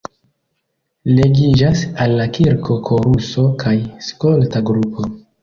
Ligiĝas al la kirko koruso kaj skolta grupo.